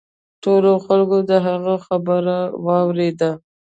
ټولو خلکو د هغه خبره واوریده.